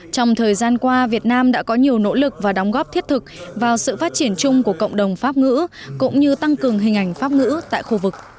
trong thời gian qua việt nam đã có nhiều nỗ lực và đóng góp thiết thực vào sự phát triển chung của cộng đồng pháp ngữ cũng như tăng cường hình ảnh pháp ngữ tại khu vực